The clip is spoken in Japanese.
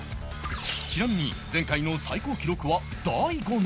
ちなみに前回の最高記録は大悟の